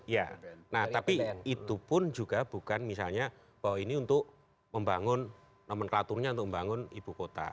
ya nah tapi itu pun juga bukan misalnya bahwa ini untuk membangun nomenklaturnya untuk membangun ibu kota